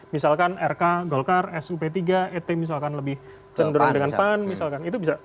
misalkan rk golkar sup tiga et misalkan lebih cenderung dengan pan misalkan itu bisa